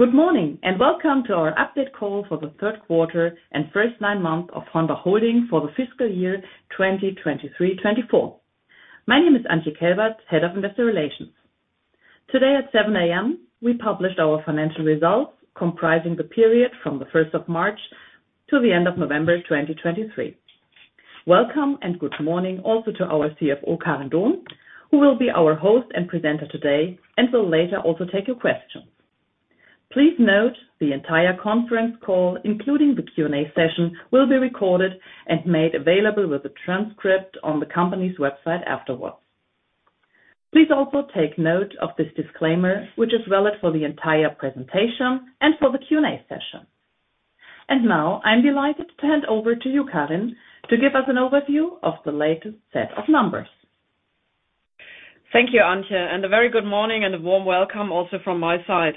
Good morning, and welcome to our update call for the third quarter and first 9 months of HORNBACH Holding for the fiscal year 2023/24. My name is Antje Kelbert, Head of Investor Relations. Today at 7 A.M., we published our financial results, comprising the period from the first of March to the end of November 2023. Welcome, and good morning also to our CFO, Karin Dohm, who will be our host and presenter today and will later also take your questions. Please note, the entire conference call, including the Q&A session, will be recorded and made available with a transcript on the company's website afterwards. Please also take note of this disclaimer, which is valid for the entire presentation and for the Q&A session. And now, I'm delighted to hand over to you, Karin, to give us an overview of the latest set of numbers. Thank you, Antje, and a very good morning and a warm welcome also from my side.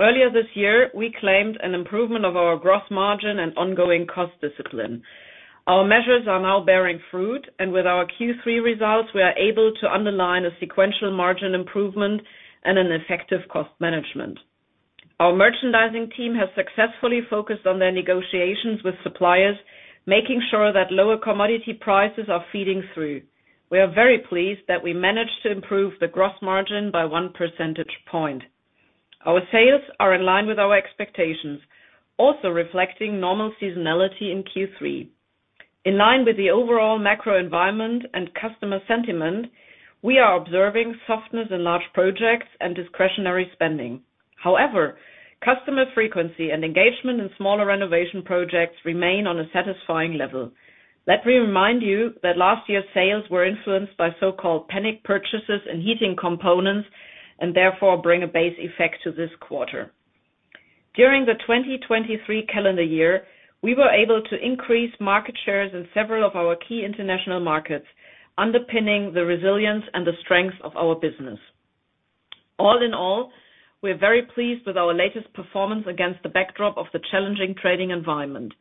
Earlier this year, we claimed an improvement of our gross margin and ongoing cost discipline. Our measures are now bearing fruit, and with our Q3 results, we are able to underline a sequential margin improvement and an effective cost management. Our merchandising team has successfully focused on their negotiations with suppliers, making sure that lower commodity prices are feeding through. We are very pleased that we managed to improve the gross margin by one percentage point. Our sales are in line with our expectations, also reflecting normal seasonality in Q3. In line with the overall macro environment and customer sentiment, we are observing softness in large projects and discretionary spending. However, customer frequency and engagement in smaller renovation projects remain on a satisfying level. Let me remind you that last year's sales were influenced by so-called panic purchases and heating components, and therefore bring a base effect to this quarter. During the 2023 calendar year, we were able to increase market shares in several of our key international markets, underpinning the resilience and the strength of our business. All in all, we're very pleased with our latest performance against the backdrop of the challenging trading environment.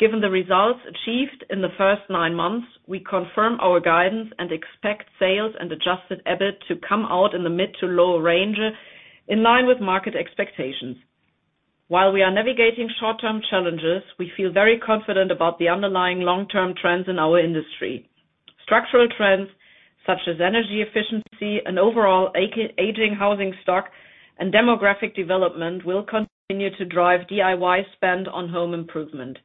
Given the results achieved in the first nine months, we confirm our guidance and expect sales and Adjusted EBIT to come out in the mid to lower range, in line with market expectations. While we are navigating short-term challenges, we feel very confident about the underlying long-term trends in our industry. Structural trends such as energy efficiency and overall aging housing stock and demographic development will continue to drive DIY spend on home improvement.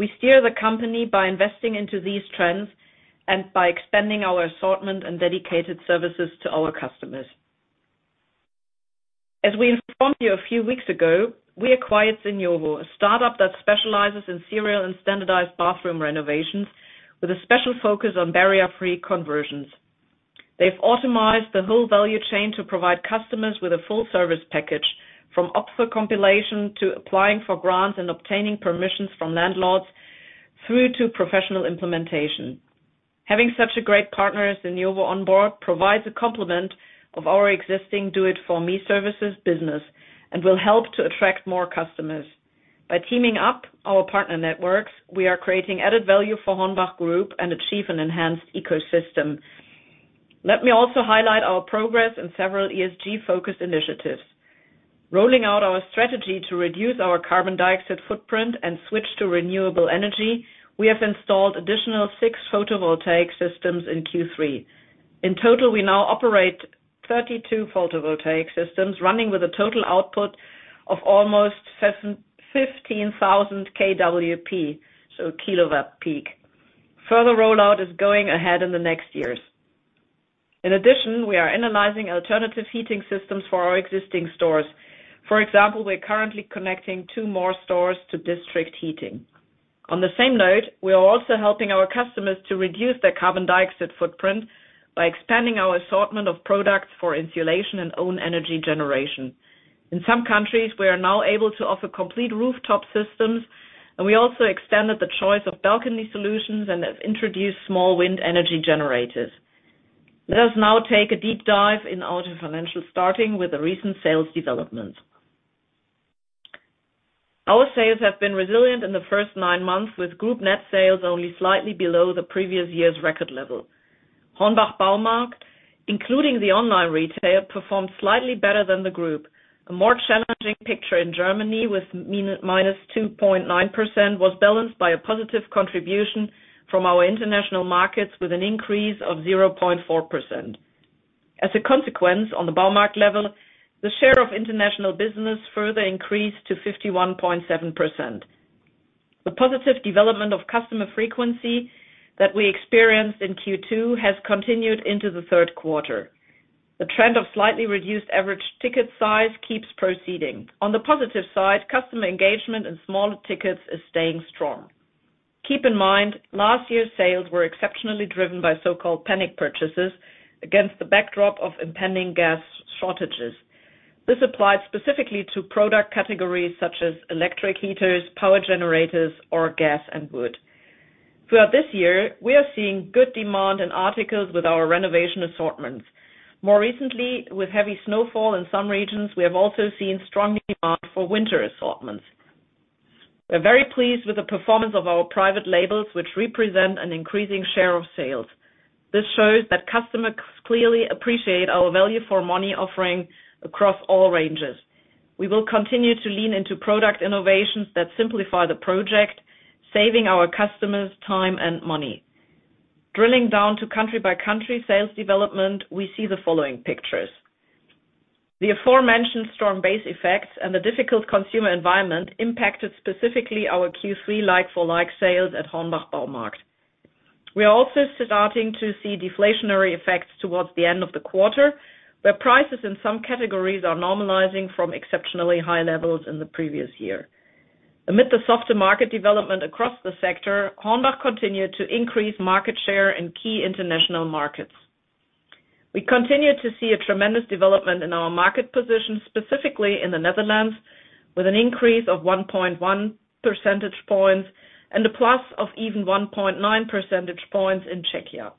We steer the company by investing into these trends and by expanding our assortment and dedicated services to our customers. As we informed you a few weeks ago, we acquired Seniovo, a startup that specializes in serial and standardized bathroom renovations, with a special focus on barrier-free conversions. They've automated the whole value chain to provide customers with a full service package, from offer compilation to applying for grants and obtaining permissions from landlords, through to professional implementation. Having such a great partner as Seniovo on board provides a complement of our existing do-it-for-me services business and will help to attract more customers. By teaming up our partner networks, we are creating added value for HORNBACH Group and achieve an enhanced ecosystem. Let me also highlight our progress in several ESG-focused initiatives. Rolling out our strategy to reduce our carbon dioxide footprint and switch to renewable energy, we have installed additional 6 photovoltaic systems in Q3. In total, we now operate 32 photovoltaic systems, running with a total output of almost 15,000 kWp, so kilowatt peak. Further rollout is going ahead in the next years. In addition, we are analyzing alternative heating systems for our existing stores. For example, we're currently connecting 2 more stores to district heating. On the same note, we are also helping our customers to reduce their carbon dioxide footprint by expanding our assortment of products for insulation and own energy generation. In some countries, we are now able to offer complete rooftop systems, and we also extended the choice of balcony solutions and have introduced small wind energy generators. Let us now take a deep dive in our financials, starting with the recent sales developments. Our sales have been resilient in the first nine months, with group net sales only slightly below the previous year's record level. HORNBACH Baumarkt, including the online retail, performed slightly better than the group. A more challenging picture in Germany, with minus 2.9%, was balanced by a positive contribution from our international markets, with an increase of 0.4%. As a consequence, on the Baumarkt level, the share of international business further increased to 51.7%. The positive development of customer frequency that we experienced in Q2 has continued into the third quarter. The trend of slightly reduced average ticket size keeps proceeding. On the positive side, customer engagement and smaller tickets is staying strong. Keep in mind, last year's sales were exceptionally driven by so-called panic purchases against the backdrop of impending gas shortages. This applied specifically to product categories such as electric heaters, power generators, or gas and wood. Throughout this year, we are seeing good demand in articles with our renovation assortments. More recently, with heavy snowfall in some regions, we have also seen strong demand for winter assortments. We're very pleased with the performance of our private labels, which represent an increasing share of sales. This shows that customers clearly appreciate our value for money offering across all ranges. We will continue to lean into product innovations that simplify the project, saving our customers time and money. Drilling down to country-by-country sales development, we see the following pictures. The aforementioned strong base effects and the difficult consumer environment impacted specifically our Q3 like-for-like sales at HORNBACH Baumarkt. We are also starting to see deflationary effects towards the end of the quarter, where prices in some categories are normalizing from exceptionally high levels in the previous year. Amid the softer market development across the sector, HORNBACH continued to increase market share in key international markets. We continue to see a tremendous development in our market position, specifically in the Netherlands, with an increase of 1.1 percentage points and a plus of even 1.9 percentage points in Czechia.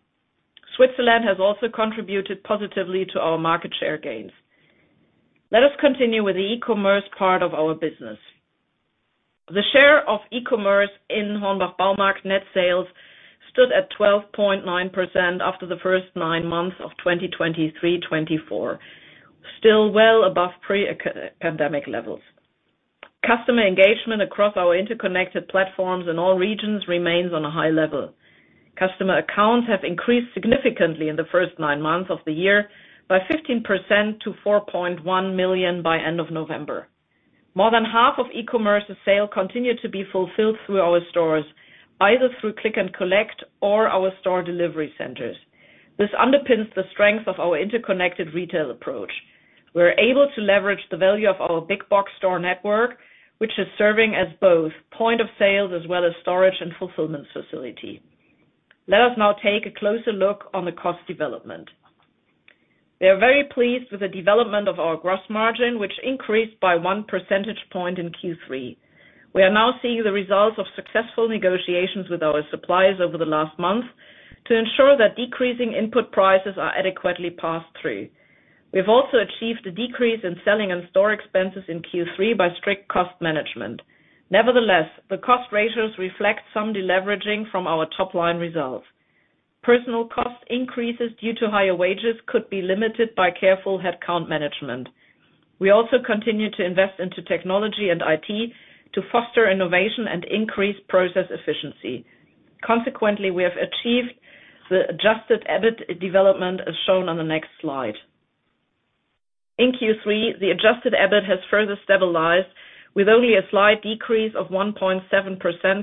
Switzerland has also contributed positively to our market share gains. Let us continue with the e-commerce part of our business. The share of e-commerce in HORNBACH Baumarkt net sales stood at 12.9% after the first 9 months of 2023/24, still well above pre-COVID pandemic levels. Customer engagement across our interconnected platforms in all regions remains on a high level. Customer accounts have increased significantly in the first nine months of the year by 15% to 4.1 million by end of November. More than half of e-commerce sales continued to be fulfilled through our stores, either through Click & Collect or our Store Delivery Centers. This underpins the strength of our Interconnected Retail approach. We're able to leverage the value of our big box store network, which is serving as both point of sales as well as storage and fulfillment facility. Let us now take a closer look on the cost development. We are very pleased with the development of our gross margin, which increased by 1 percentage point in Q3. We are now seeing the results of successful negotiations with our suppliers over the last month to ensure that decreasing input prices are adequately passed through. We've also achieved a decrease in selling and store expenses in Q3 by strict cost management. Nevertheless, the cost ratios reflect some deleveraging from our top line results. Personnel cost increases due to higher wages could be limited by careful headcount management. We also continue to invest into technology and IT to foster innovation and increase process efficiency. Consequently, we have achieved the Adjusted EBIT development, as shown on the next slide. In Q3, the Adjusted EBIT has further stabilized, with only a slight decrease of 1.7%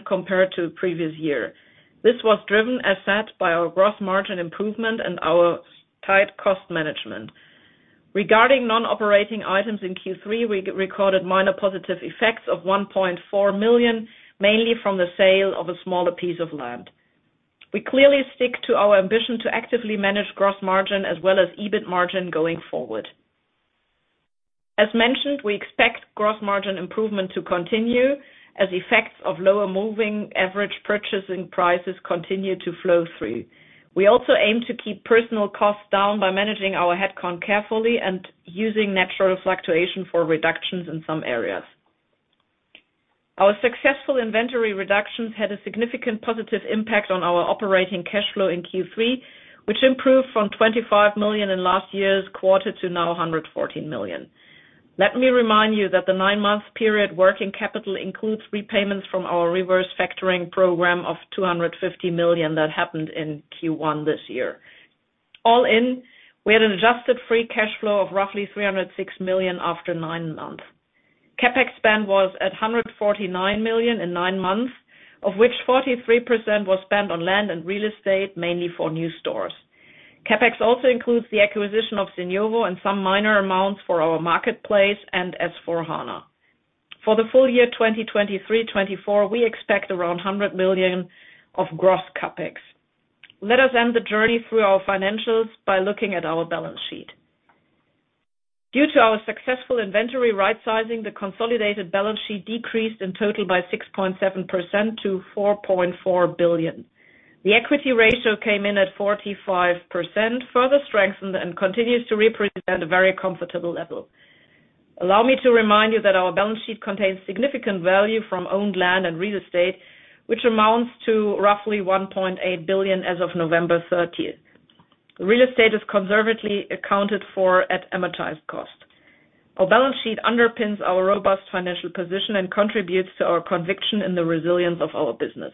compared to the previous year. This was driven, as said, by our gross margin improvement and our tight cost management. Regarding non-operating items in Q3, we recorded minor positive effects of 1.4 million, mainly from the sale of a smaller piece of land. We clearly stick to our ambition to actively manage gross margin as well as EBIT margin going forward. As mentioned, we expect gross margin improvement to continue as effects of lower moving average purchasing prices continue to flow through. We also aim to keep personal costs down by managing our headcount carefully and using natural fluctuation for reductions in some areas. Our successful inventory reductions had a significant positive impact on our operating cash flow in Q3, which improved from 25 million in last year's quarter to 114 million. Let me remind you that the nine-month period working capital includes repayments from our reverse factoring program of 250 million that happened in Q1 this year. All in, we had an adjusted free cash flow of roughly 306 million after nine months. CapEx spend was at 149 million in 9 months, of which 43% was spent on land and real estate, mainly for new stores. CapEx also includes the acquisition of Seniovo and some minor amounts for our Marketplace and S/4HANA. For the full year 2023/2024, we expect around 100 million of gross CapEx. Let us end the journey through our financials by looking at our balance sheet. Due to our successful inventory rightsizing, the consolidated balance sheet decreased in total by 6.7% to 4.4 billion. The equity ratio came in at 45%, further strengthened and continues to represent a very comfortable level. Allow me to remind you that our balance sheet contains significant value from owned land and real estate, which amounts to roughly 1.8 billion as of November 30. Real estate is conservatively accounted for at amortized cost. Our balance sheet underpins our robust financial position and contributes to our conviction in the resilience of our business.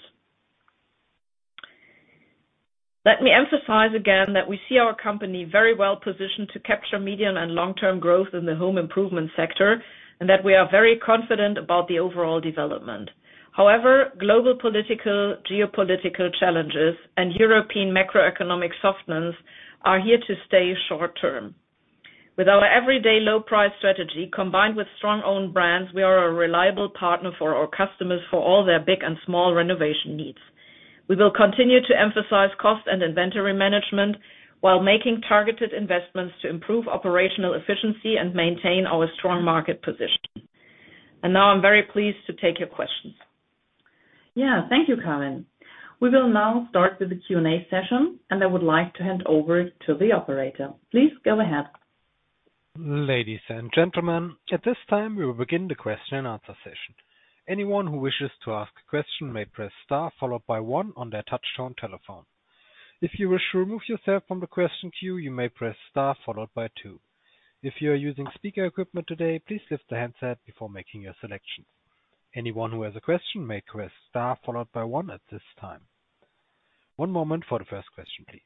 Let me emphasize again that we see our company very well positioned to capture medium and long-term growth in the home improvement sector, and that we are very confident about the overall development. However, global political, geopolitical challenges and European macroeconomic softness are here to stay short term. With our everyday low price strategy, combined with strong own brands, we are a reliable partner for our customers for all their big and small renovation needs. We will continue to emphasize cost and inventory management while making targeted investments to improve operational efficiency and maintain our strong market position. Now I'm very pleased to take your questions. Yeah, thank you, Karin. We will now start with the Q&A session, and I would like to hand over to the operator. Please go ahead. Ladies and gentlemen, at this time, we will begin the question and answer session. Anyone who wishes to ask a question may press star followed by one on their touchtone telephone. If you wish to remove yourself from the question queue, you may press star followed by two. If you're using speaker equipment today, please lift the handset before making your selection. Anyone who has a question may press star followed by one at this time. One moment for the first question, please.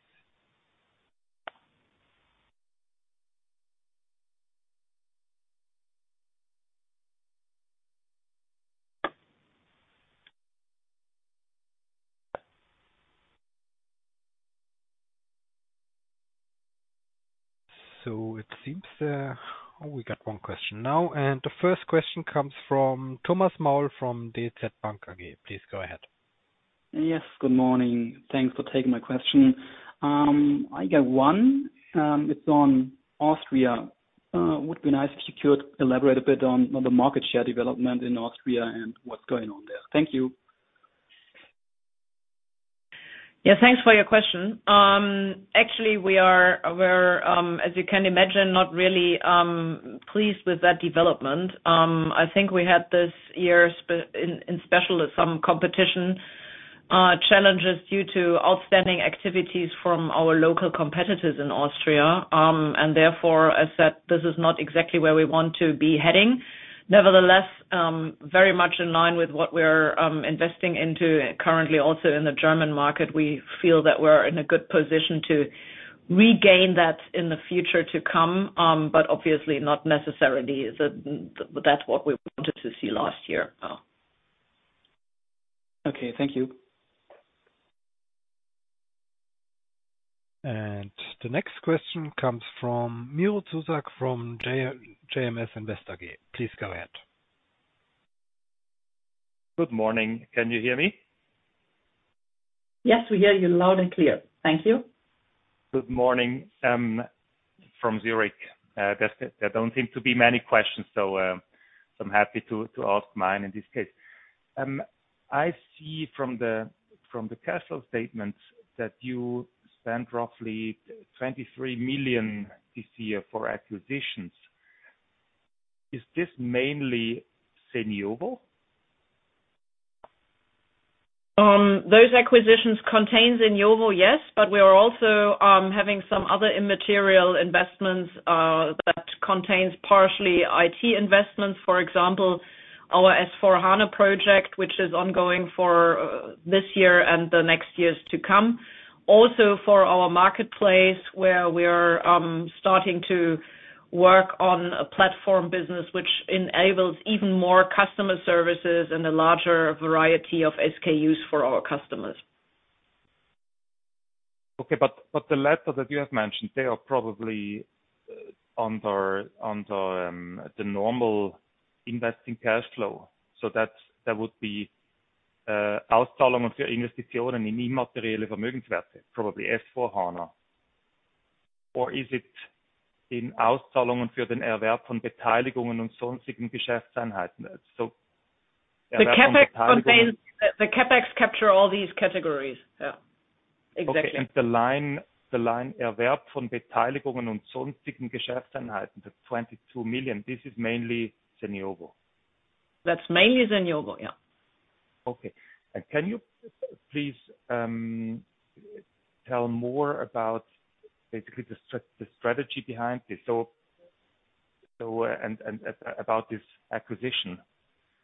So it seems, we got one question now, and the first question comes from Thomas Maul, from DZ Bank AG. Please go ahead. Yes, good morning. Thanks for taking my question. I got one. It's on Austria. Would be nice if you could elaborate a bit on, on the market share development in Austria and what's going on there. Thank you. Yeah, thanks for your question. Actually, we're, as you can imagine, not really pleased with that development. I think we had this year especially with some competition challenges due to outstanding activities from our local competitors in Austria. And therefore, as said, this is not exactly where we want to be heading. Nevertheless, very much in line with what we're investing into currently also in the German market, we feel that we're in a good position to regain that in the future to come, but obviously that's not what we wanted to see last year. Okay, thank you. The next question comes from Miro Zuzak, from JMS Invest AG. Please go ahead. Good morning. Can you hear me? Yes, we hear you loud and clear. Thank you. Good morning, from Zurich. There don't seem to be many questions, so I'm happy to ask mine in this case. I see from the cash flow statements that you spent roughly 23 million this year for acquisitions. Is this mainly Seniovo? Those acquisitions contains Seniovo, yes, but we are also having some other immaterial investments, that contains partially IT investments, for example, our S/4HANA project, which is ongoing for this year and the next years to come. Also, for our Marketplace, where we are starting to work on a platform business which enables even more customer services and a larger variety of SKUs for our customers. Okay, but the latter that you have mentioned, they are probably under the normal investing cash flow, so that would be probably S/4HANA. Or is it in? The CapEx capture all these categories. Yeah, exactly. Okay, and the line, the line, the 22 million, this is mainly Seniovo? That's mainly Seniovo, yeah. Okay. And can you please tell more about basically the strategy behind this? And about this acquisition,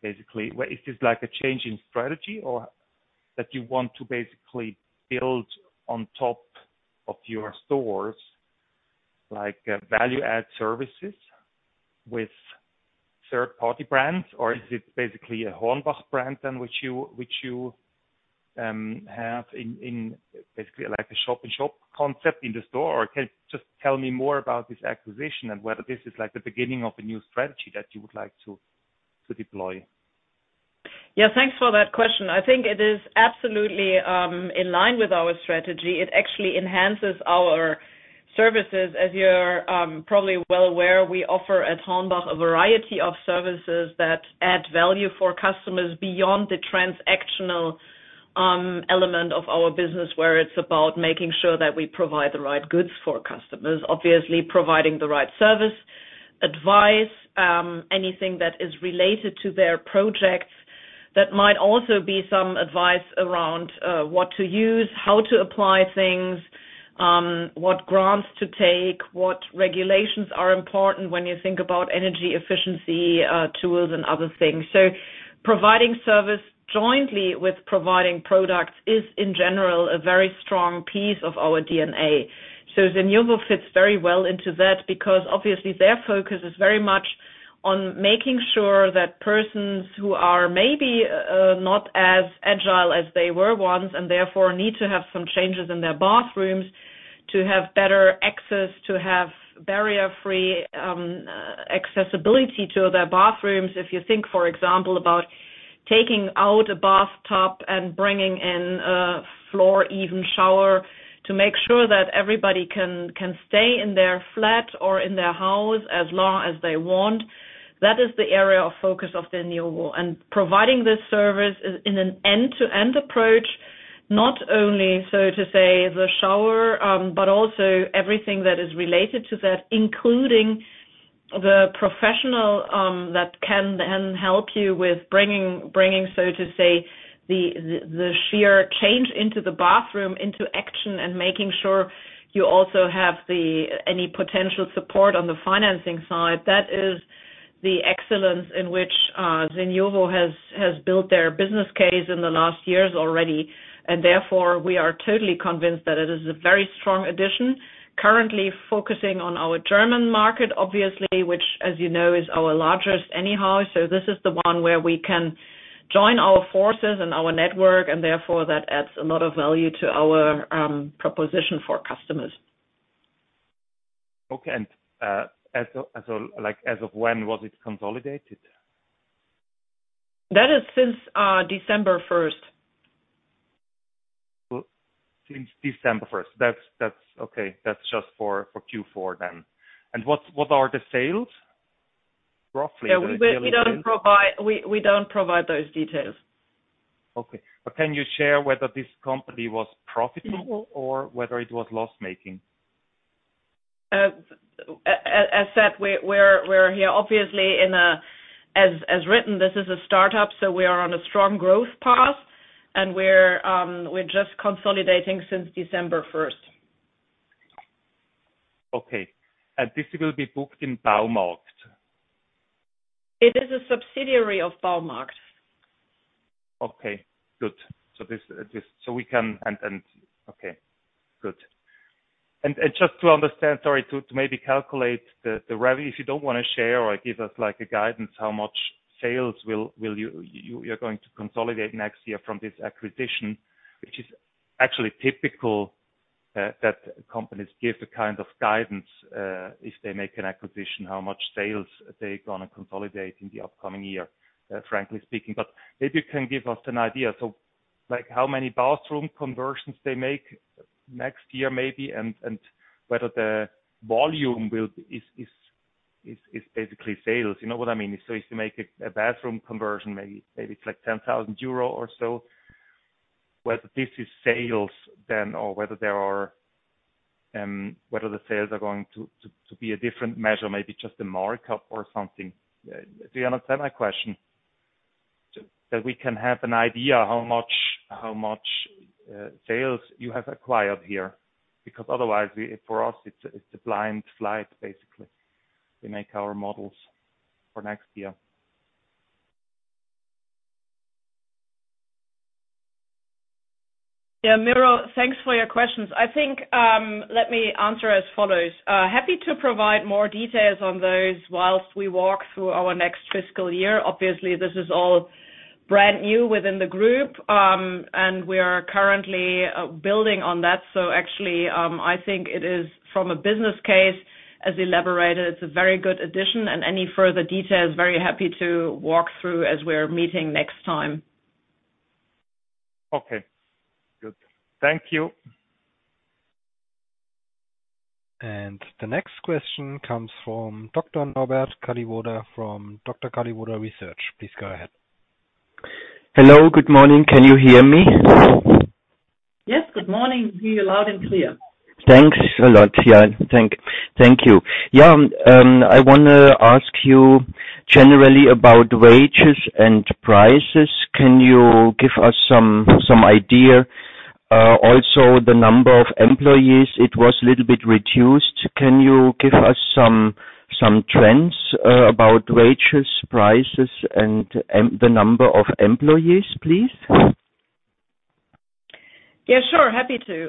basically. Well, is this like a change in strategy or that you want to basically build on top of your stores, like value-add services with third party brands? Or is it basically a HORNBACH brand, then, which you have in basically like a shop-in-shop concept in the store? Or can you just tell me more about this acquisition and whether this is like the beginning of a new strategy that you would like to deploy? Yeah, thanks for that question. I think it is absolutely in line with our strategy. It actually enhances our services. As you're probably well aware, we offer at HORNBACH a variety of services that add value for customers beyond the transactional element of our business, where it's about making sure that we provide the right goods for customers. Obviously, providing the right service, advice, anything that is related to their projects. That might also be some advice around what to use, how to apply things, what grants to take, what regulations are important when you think about energy efficiency, tools and other things. So providing service jointly with providing products is, in general, a very strong piece of our DNA. So Seniovo fits very well into that because obviously their focus is very much on making sure that persons who are maybe not as agile as they were once and therefore need to have some changes in their bathrooms to have better access, to have barrier-free accessibility to their bathrooms. If you think, for example, about taking out a bathtub and bringing in a floor-even shower to make sure that everybody can stay in their flat or in their house as long as they want. That is the area of focus of Seniovo, and providing this service is in an end-to-end approach. not only so to say, the shower, but also everything that is related to that, including the professional, that can then help you with bringing, so to say, the shower change into the bathroom, into action, and making sure you also have the, any potential support on the financing side. That is the excellence in which, Seniovo has built their business case in the last years already, and therefore, we are totally convinced that it is a very strong addition. Currently focusing on our German market, obviously, which, as you know, is our largest anyhow. So this is the one where we can join our forces and our network, and therefore, that adds a lot of value to our, proposition for customers. Okay, and, as of, as of, like, as of when was it consolidated? That is since December 1st. Well, since December first. That's, that's okay. That's just for, for Q4 then. And what, what are the sales, roughly? We don't provide those details. Okay, but can you share whether this company was profitable or whether it was loss-making? As said, we're here obviously in a, as written, this is a startup, so we are on a strong growth path, and we're just consolidating since December 1st. Okay. This will be booked in Baumarkt? It is a subsidiary of Baumarkt. Okay, good. So this, so we can, and okay, good. And just to understand, sorry, to maybe calculate the revenue, if you don't want to share or give us, like, a guidance, how much sales will you, you're going to consolidate next year from this acquisition, which is actually typical that companies give a kind of guidance if they make an acquisition, how much sales they're gonna consolidate in the upcoming year, frankly speaking. But maybe you can give us an idea. So, like, how many bathroom conversions they make next year, maybe, and whether the volume is basically sales. You know what I mean? So if you make a bathroom conversion, maybe it's like 10,000 euro or so, whether this is sales then, or whether there are whether the sales are going to to be a different measure, maybe just a markup or something. Do you understand my question? So that we can have an idea how much sales you have acquired here, because otherwise, for us, it's a blind flight, basically. We make our models for next year. Yeah, Miro, thanks for your questions. I think, let me answer as follows. Happy to provide more details on those whilst we walk through our next fiscal year. Obviously, this is all brand new within the group, and we are currently building on that. So actually, I think it is from a business case, as elaborated, it's a very good addition, and any further details, very happy to walk through as we're meeting next time. Okay, good. Thank you. The next question comes from Dr. Norbert Kalliwoda from Kalliwoda Research. Please go ahead. Hello, good morning. Can you hear me? Yes, good morning. Hear you loud and clear. Thanks a lot. Yeah, thank you. Yeah, I want to ask you generally about wages and prices. Can you give us some idea, also the number of employees, it was a little bit reduced. Can you give us some trends, about wages, prices, and the number of employees, please? Yeah, sure, happy to.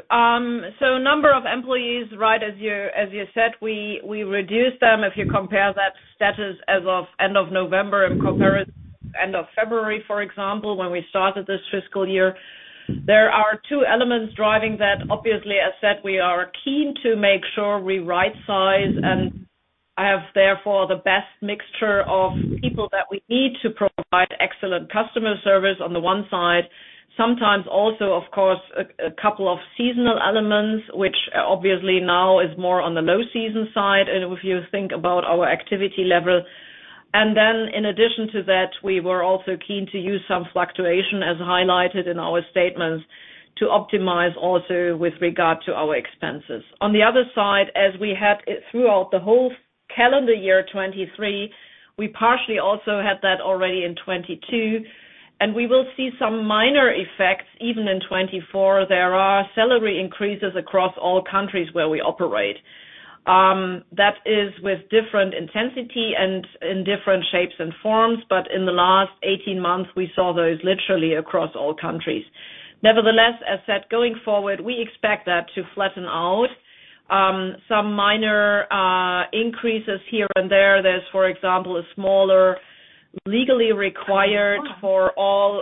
So number of employees, right, as you, as you said, we, we reduced them. If you compare that status as of end of November in comparison end of February, for example, when we started this fiscal year. There are two elements driving that. Obviously, as said, we are keen to make sure we right size and have, therefore, the best mixture of people that we need to provide excellent customer service on the one side. Sometimes also, of course, a couple of seasonal elements, which obviously now is more on the low season side, and if you think about our activity level. Then in addition to that, we were also keen to use some fluctuation as highlighted in our statements, to optimize also with regard to our expenses. On the other side, as we had it throughout the whole calendar year 2023, we partially also had that already in 2022, and we will see some minor effects even in 2024. There are salary increases across all countries where we operate. That is with different intensity and in different shapes and forms, but in the last 18 months, we saw those literally across all countries. Nevertheless, as said, going forward, we expect that to flatten out, some minor increases here and there. There's, for example, a smaller legally required for all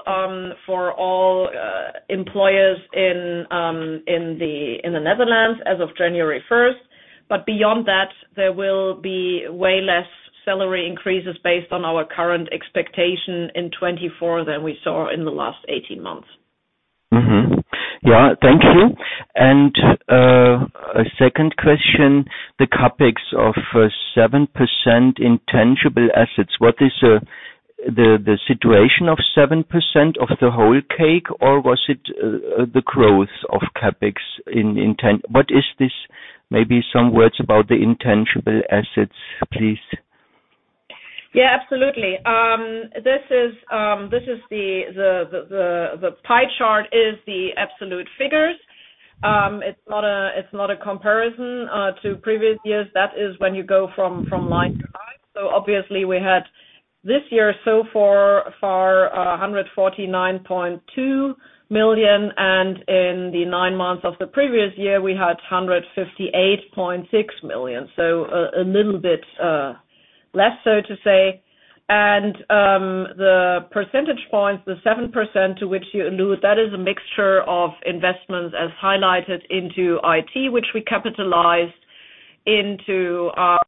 employers in the Netherlands as of January 1st. But beyond that, there will be way less salary increases based on our current expectation in 2024 than we saw in the last 18 months. Yeah, thank you. And a second question, the CapEx of 7% intangible assets, what is the situation of 7% of the whole cake, or was it the growth of CapEx in intangible? What is this? Maybe some words about the intangible assets, please. Yeah, absolutely. This is the pie chart is the absolute figures. It's not a comparison to previous years. That is when you go from line to line. So obviously we had this year so far a hundred and forty-nine point two million, and in the nine months of the previous year, we had hundred and fifty-eight point six million. So a little bit less so to say. And the percentage points, the 7% to which you allude, that is a mixture of investments as highlighted into IT, which we capitalize into our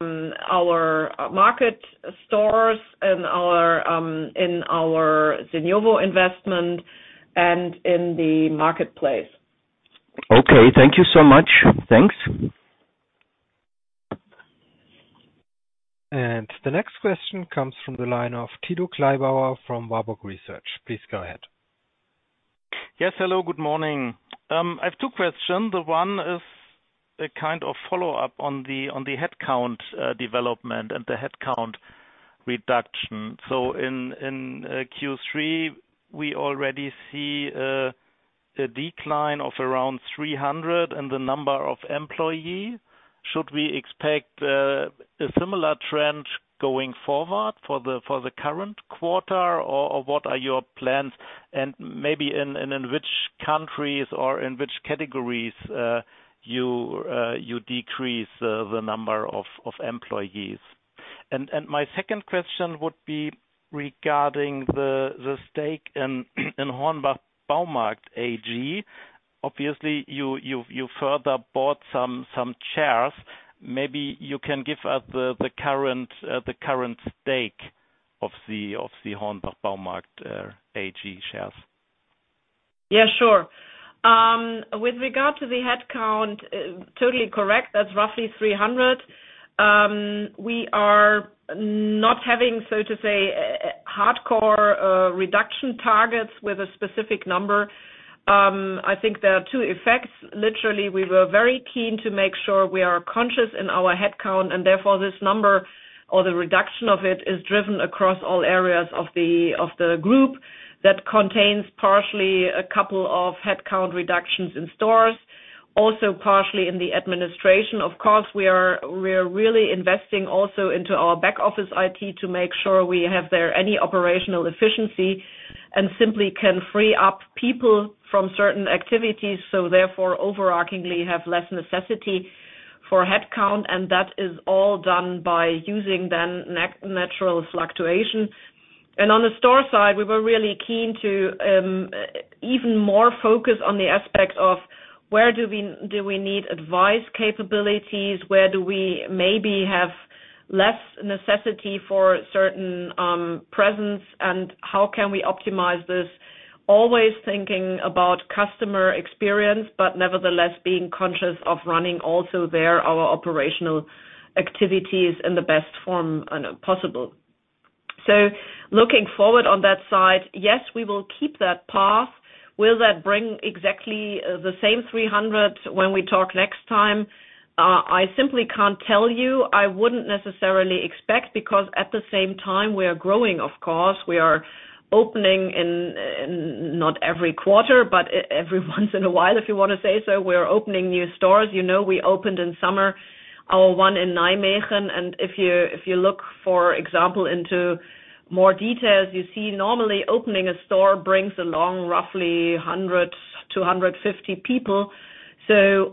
megastores and our in our Seniovo investment and in the Marketplace. Okay, thank you so much. Thanks. The next question comes from the line of Thilo Kleibauer from Warburg Research. Please go ahead. Yes, hello, good morning. I have two questions. The one is a kind of follow-up on the, on the headcount development and the headcount reduction. So in, in, Q3, we already see a decline of around 300 in the number of employees. Should we expect a similar trend going forward for the, for the current quarter, or, or what are your plans? And maybe in, and in which countries or in which categories, you, you decrease the number of, of employees. And, my second question would be regarding the, the stake in, in HORNBACH Baumarkt AG. Obviously, you, you, you further bought some, some shares. Maybe you can give us the, the current, the current stake of the, of the HORNBACH Baumarkt AG shares. Yeah, sure. With regard to the headcount, totally correct, that's roughly 300. We are not having, so to say, hardcore reduction targets with a specific number. I think there are two effects. Literally, we were very keen to make sure we are conscious in our headcount, and therefore this number or the reduction of it is driven across all areas of the group that contains partially a couple of headcount reductions in stores, also partially in the administration. Of course, we are really investing also into our back office IT to make sure we have there any operational efficiency, and simply can free up people from certain activities, so therefore overarchingly have less necessity for headcount, and that is all done by using then natural fluctuation. On the store side, we were really keen to even more focus on the aspect of where do we, do we need advice, capabilities, where do we maybe have less necessity for certain presence, and how can we optimize this? Always thinking about customer experience, but nevertheless, being conscious of running also there, our operational activities in the best form possible. Looking forward on that side, yes, we will keep that path. Will that bring exactly the same 300 when we talk next time? I simply can't tell you. I wouldn't necessarily expect, because at the same time, we are growing, of course. We are opening in not every quarter, but every once in a while, if you want to say so, we are opening new stores. You know, we opened in summer, our one in Nijmegen, and if you, if you look, for example, into more details, you see normally opening a store brings along roughly 100 to 150 people. So,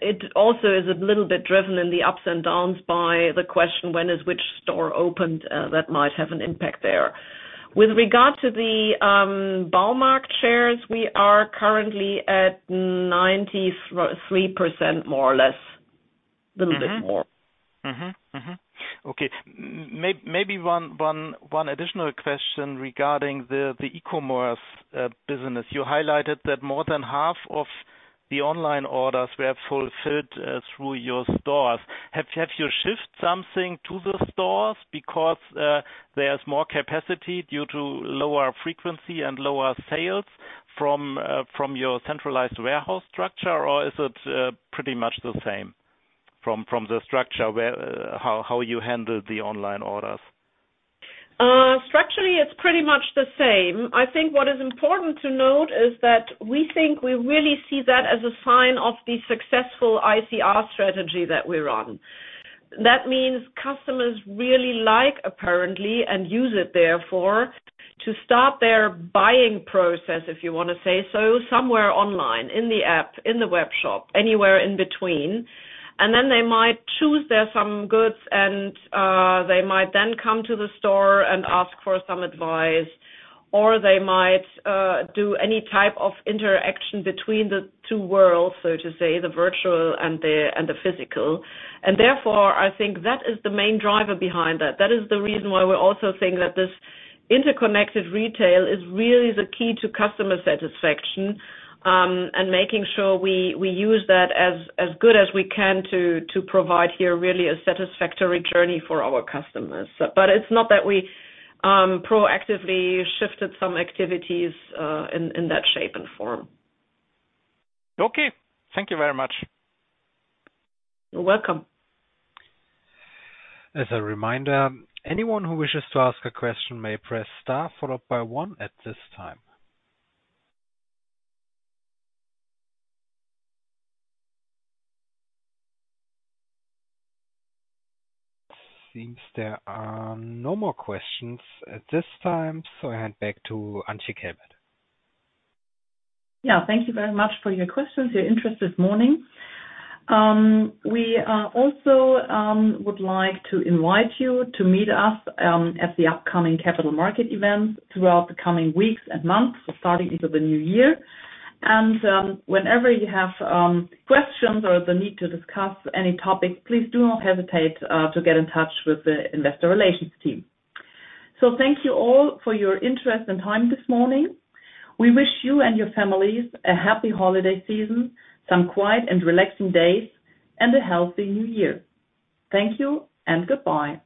it also is a little bit driven in the ups and downs by the question, when is which store opened? That might have an impact there. With regard to the Baumarkt shares, we are currently at 93%, more or less. Little bit more. Okay. Maybe one additional question regarding the E-commerce business. You highlighted that more than half of the online orders were fulfilled through your stores. Have you shifted something to the stores because there's more capacity due to lower frequency and lower sales from your centralized warehouse structure? Or is it pretty much the same from the structure where how you handle the online orders? Structurally, it's pretty much the same. I think what is important to note is that we think we really see that as a sign of the successful ICR strategy that we're on. That means customers really like, apparently, and use it therefore, to start their buying process, if you want to say so, somewhere online, in the app, in the web shop, anywhere in between. And then they might choose there some goods and, they might then come to the store and ask for some advice, or they might, do any type of interaction between the two worlds, so to say, the virtual and the, and the physical. And therefore, I think that is the main driver behind that. That is the reason why we're also saying that this Interconnected Retail is really the key to customer satisfaction, and making sure we use that as good as we can to provide here really a satisfactory journey for our customers. But it's not that we proactively shifted some activities, in that shape and form. Okay, thank you very much. You're welcome. As a reminder, anyone who wishes to ask a question may press star followed by one at this time. Seems there are no more questions at this time, so I hand back to Antje Kelbert. Yeah, thank you very much for your questions, your interest this morning. We also would like to invite you to meet us at the upcoming capital market events throughout the coming weeks and months, starting into the new year. And whenever you have questions or the need to discuss any topic, please do not hesitate to get in touch with the investor relations team. So thank you all for your interest and time this morning. We wish you and your families a happy holiday season, some quiet and relaxing days, and a healthy new year. Thank you and goodbye.